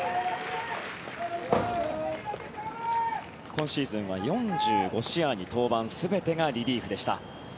今シーズンは４５試合に登板全てがリリーフでした。